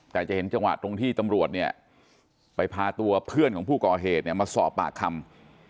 แต่จะเห็นจังหวะตรงที่ตำรวจเนี่ยไปพาตัวเพื่อนของผู้ก่อเหตุเนี่ยมาสอบปากคำ